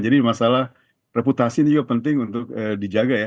jadi masalah reputasi ini juga penting untuk dijaga ya